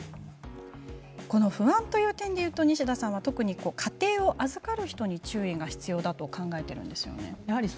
不安という点で言うと西田さんは家庭を預かる人に注意が必要だと考えているんですよね。